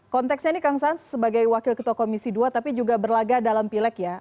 konteksnya ini kekangsaan sebagai wakil ketua komisi dua tapi juga berlaga dalam pileg ya